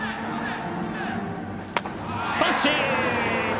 三振！